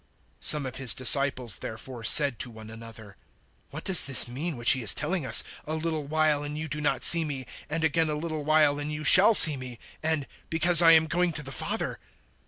016:017 Some of His disciples therefore said to one another, "What does this mean which He is telling us, `A little while and you do not see me, and again a little while and you shall see me,' and `Because I am going to the Father'?"